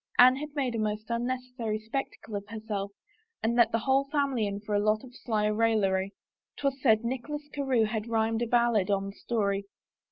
Anne had made a most unnecessary spec tacle of herself and let the whole family in for a lot of sly raillery. 'Twas said Nicholas Carewe had rhymed a ballad on the story.